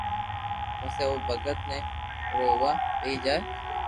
پسي او بگت بي رووا ٻيئي جائي